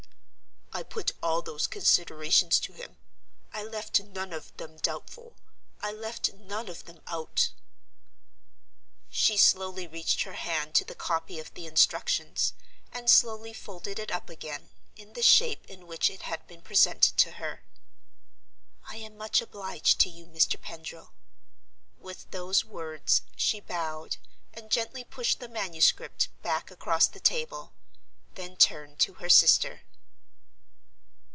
"I put all those considerations to him. I left none of them doubtful; I left none of them out." She slowly reached her hand to the copy of the Instructions, and slowly folded it up again, in the shape in which it had been presented to her. "I am much obliged to you, Mr. Pendril." With those words, she bowed, and gently pushed the manuscript back across the table; then turned to her sister.